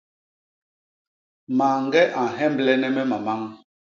Mañge a nhemblene me mamañ.